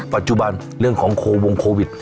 ปัจจุบันเรื่องของโควงโควิด